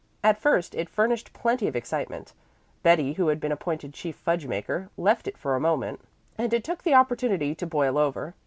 At first it furnished plenty of excitement. Betty, who had been appointed chief fudge maker, left it for a moment, and it took the opportunity to boil over.